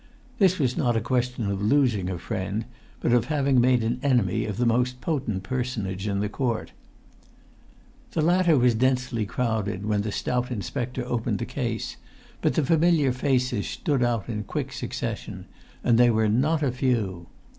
This was not a question of losing a friend, but of having made an enemy of the most potent personage in the court. [Pg 151]The latter was densely crowded when the stout inspector opened the case, but the familiar faces stood out in quick succession, and they were not a few.